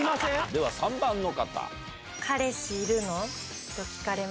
では３番の方。